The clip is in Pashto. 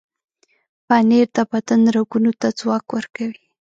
پنېر د بدن رګونو ته ځواک ورکوي.